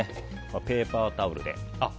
ペーパータオルで。